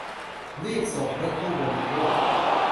รีบส่งเพื่อผู้บริโภค